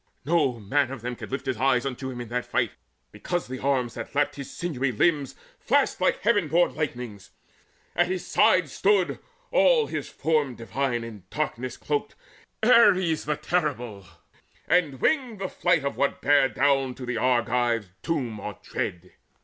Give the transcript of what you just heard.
No man of them Could lift his eyes unto him in that fight, Because the arms that lapped his sinewy limbs Flashed like the heaven born lightnings. At his side Stood, all his form divine in darkness cloaked, Ares the terrible, and winged the flight Of what bare down to the Argives doom or dread.